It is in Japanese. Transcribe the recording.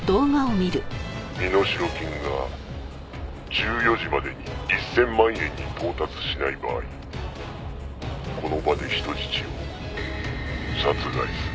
「身代金が１４時までに１０００万円に到達しない場合この場で人質を殺害する」